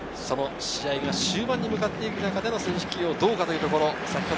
その試合が終盤に向かっていく中での選手起用、どうかというところ。